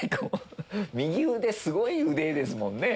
右腕すごい腕ですもんね。